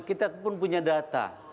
kita pun punya data